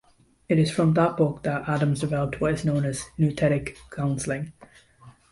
It is from that book that Adams developed what is known as nouthetic counseling.